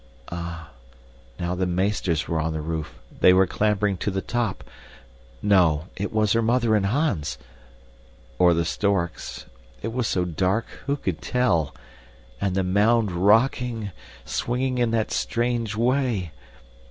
Ah, now the meesters were on the roof, they were clambering to the top no it was her mother and Hans or the storks. It was so dark, who could tell? And the mound rocking, swinging in that strange way.